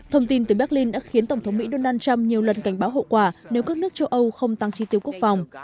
thông tin từ berlin đã khiến tổng thống mỹ donald trump nhiều lần cảnh báo hậu quả nếu các nước châu âu không tăng chi tiêu quốc phòng